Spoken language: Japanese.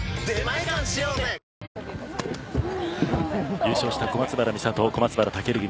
優勝した小松原美里・小松原尊組。